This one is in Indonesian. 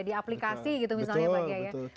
di aplikasi gitu misalnya pak